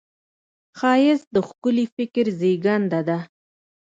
ښایست د ښکلي فکر زېږنده ده